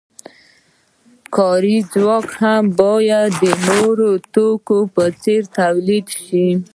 کاري ځواک هم باید د نورو توکو په څیر تولید شي.